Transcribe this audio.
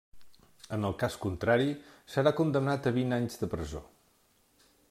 En el cas contrari, serà condemnat a vint anys de presó.